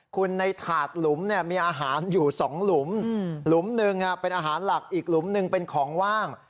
คุณในถาดหลุมมีอาหารอยู่๒หลุมหลุมหนึ่งเป็นอาหารหลักอีกหลุมหนึ่งเป็นของว่าง